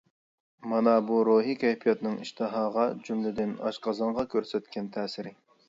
مانا بۇ روھىي كەيپىياتنىڭ ئىشتىھاغا جۈملىدىن ئاشقازانغا كۆرسەتكەن تەسىرى.